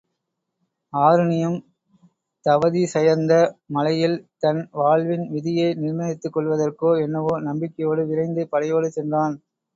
ஆருணியும் தவதிசயந்த மலையில் தன் வாழ்வின் விதியை நிர்ணயித்துக் கொள்ளுவதற்கோ என்னவோ, நம்பிக்கையோடு விரைந்து படையோடு சென்றான்.